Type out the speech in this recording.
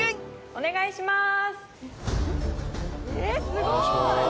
お願いします。